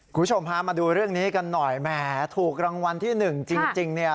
คุณผู้ชมพามาดูเรื่องนี้กันหน่อยแหมถูกรางวัลที่หนึ่งจริงเนี่ย